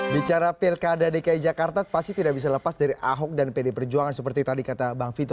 bicara pilkada dki jakarta pasti tidak bisa lepas dari ahok dan pd perjuangan seperti tadi kata bang vito